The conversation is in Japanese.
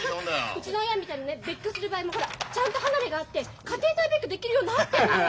うちの親みたいにね別居する場合もほらちゃんと離れがあって家庭内別居できるようになってるのよ！